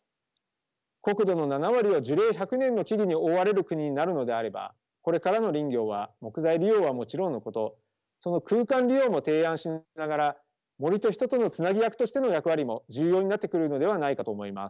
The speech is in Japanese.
国土の７割を樹齢１００年の木々に覆われる国になるのであればこれからの林業は木材利用はもちろんのことその空間利用も提案しながら森と人とのつなぎ役としての役割も重要になってくるのではないかと思います。